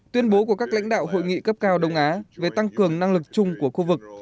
tuyên bố của các lãnh đạo hội nghị cấp cao đông á về tăng cường năng lực chung của khu vực